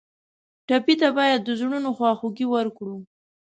ټپي ته باید د زړونو خواخوږي ورکړو.